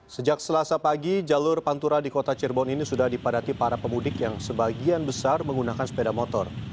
sejak selasa pagi jalur pantura di kota cirebon ini sudah dipadati para pemudik yang sebagian besar menggunakan sepeda motor